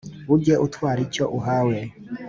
ujye utwara icyo uhawe